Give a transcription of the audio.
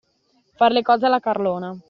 Far le cose alla carlona.